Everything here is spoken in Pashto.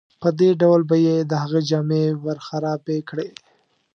په دې ډول به یې د هغه جامې ورخرابې کړې.